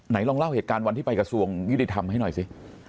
ลองเล่าเหตุการณ์วันที่ไปกระทรวงยุติธรรมให้หน่อยสิ